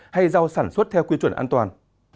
hay rau sản xuất theo quy truẩn an toàn